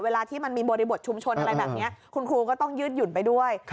ที่มันมีบริบทชุมชนอะไรแบบนี้คุณครูก็ต้องยืดหยุ่นไปด้วย